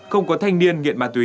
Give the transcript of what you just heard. không có thanh niên nghiện ma túy